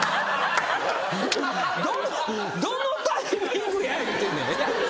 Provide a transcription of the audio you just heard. どのタイミングや言うてんねん。